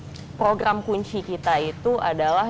dan salah satu program kunci kita itu adalah